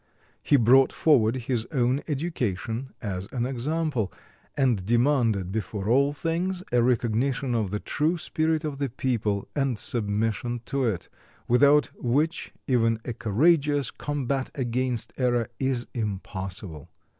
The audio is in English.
He brought forward his own education as an example, and demanded before all things a recognition of the true spirit of the people and submission to it, without which even a courageous combat against error is impossible.